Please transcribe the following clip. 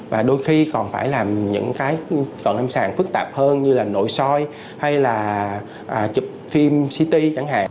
và đôi khi còn phải làm những cái cận lâm sàng phức tạp hơn như là nội soi hay là chụp phim city chẳng hạn